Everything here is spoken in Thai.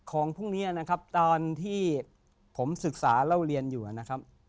ของพรุ่งนี้นะครับตอนที่ผมศึกษาเล่าเรียนอยู่นะครับ